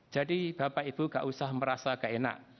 jadi bapak ibu gak usah merasa gak enak